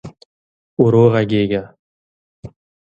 ورو ږغېږه !